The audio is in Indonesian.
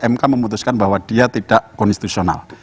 mk memutuskan bahwa dia tidak konstitusional